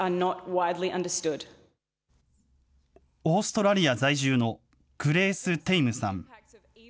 オーストラリア在住のグレース・テイムさん。